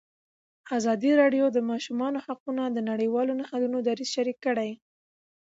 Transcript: ازادي راډیو د د ماشومانو حقونه د نړیوالو نهادونو دریځ شریک کړی.